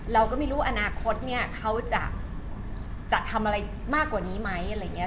เราก็ไม่รู้อนาคตเนี่ยเขาจะทำอะไรมากกว่านี้ไหมอะไรอย่างนี้